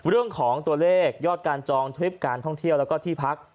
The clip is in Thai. เรื่องของตัวเลขยอดการจองทริปการท่องเที่ยวแล้วก็ที่พัก